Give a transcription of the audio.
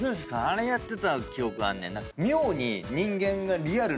あれやってた記憶あんねんな。